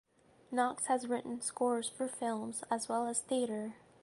Knox has written scores for films as well as theater.